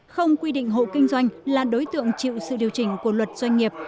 không quy định hộ kinh doanh là đối tượng chịu sự điều chỉnh của luật doanh nghiệp